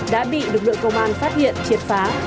đã bị lực lượng công an phát hiện triệt phá